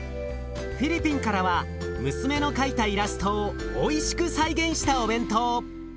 フィリピンからは娘の描いたイラストをおいしく再現したお弁当。